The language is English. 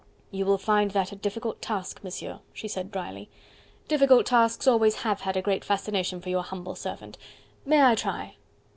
"You will find that a difficult task, Monsieur," she said drily. "Difficult tasks always have had a great fascination for your humble servant. May I try?"